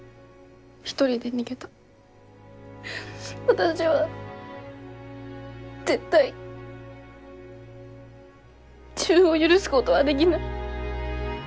私は絶対自分を許すごどはできない。